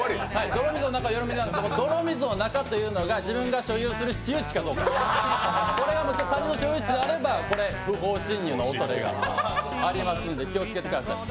泥水の中というのが自分が所有する私有地かどうか、これが他人の所有地であれば不法侵入のおそれがありますんで気をつけてください。